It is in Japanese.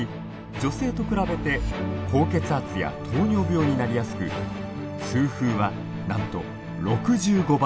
女性と比べて高血圧や糖尿病になりやすく痛風はなんと６５倍にも。